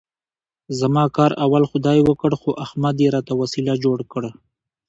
زما کار اول خدای وکړ، خو احمد یې راته وسیله جوړ کړ.